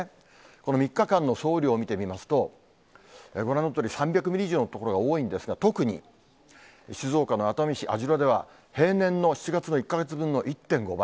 この３日間の総雨量を見てみますと、ご覧のとおり、３００ミリ以上の所が多いんですが、特に静岡の熱海市網代では、平年の７月の１か月分の１．５倍。